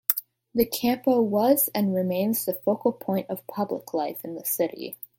The Campo was and remains the focal point of public life in the City.